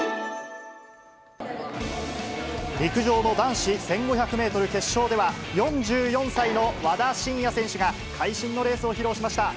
陸上の男子１５００メートル決勝では、４４歳の和田伸也選手が、会心のレースを披露しました。